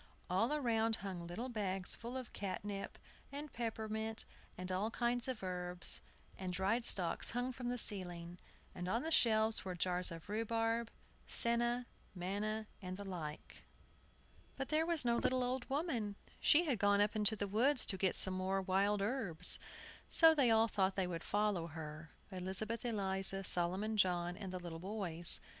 All around hung little bags full of catnip, and peppermint, and all kinds of herbs; and dried stalks hung from the ceiling; and on the shelves were jars of rhubarb, senna, manna, and the like. But there was no little old woman. She had gone up into the woods to get some more wild herbs, so they all thought they would follow her, Elizabeth Eliza, Solomon John, and the little boys.